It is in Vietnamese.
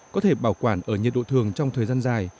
có thể bảo quản ở nhiệt độ thường trong thời gian dài